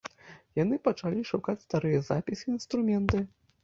Яны пачалі шукаць старыя запісы і інструменты.